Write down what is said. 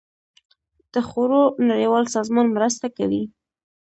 د خوړو نړیوال سازمان مرسته کوي.